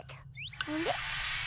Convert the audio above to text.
あれ？